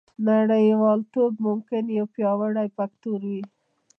نړیوالتوب ممکن یو پیاوړی فکتور وي